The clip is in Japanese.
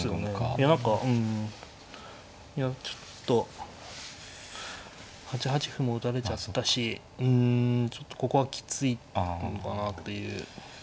いや何かうんいやちょっと８八歩も打たれちゃったしうんちょっとここはきついのかなっていう。